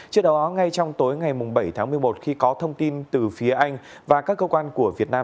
trước đó ngay trong tối ngày bảy tháng một mươi một khi có thông tin từ phía anh và các cơ quan của việt nam